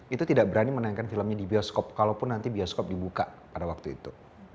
itu tidak berani menayangkan filmnya di bioskop kalaupun nanti bioskop dibuka pada waktu itu